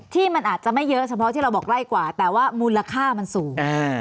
ที่มันอาจจะไม่เยอะเฉพาะที่เราบอกไล่กว่าแต่ว่ามูลค่ามันสูง